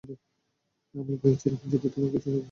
আমি ভয়ে ছিলাম, যদি তোমার কিছু হয়ে যায়!